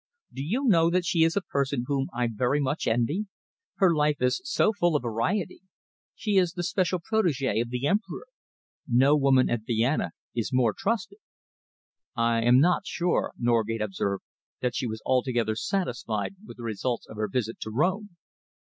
Do you know that she is a person whom I very much envy? Her life is so full of variety. She is the special protégée of the Emperor. No woman at Vienna is more trusted." "I am not sure," Norgate observed, "that she was altogether satisfied with the results of her visit to Rome."